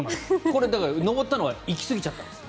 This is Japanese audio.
これだから、上ったのは行きすぎちゃったんです。